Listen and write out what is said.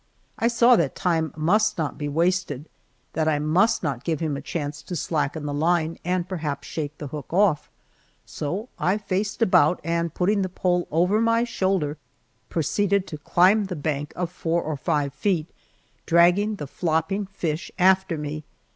I saw that time must not be wasted, that I must not give him a chance to slacken the line and perhaps shake the hook off, so I faced about, and putting the pole over my shoulder, proceeded to climb the bank of four or five feet, dragging the flopping fish after me!